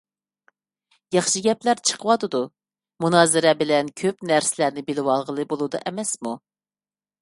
ياخشى گەپلەر چىقىۋاتىدۇ. مۇنازىرە بىلەن كۆپ نەرسىلەرنى بىلىۋالغىلى بولىدۇ ئەمەسمۇ.